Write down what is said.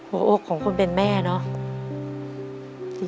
หัวอกของคนเป็นแม่เนาะ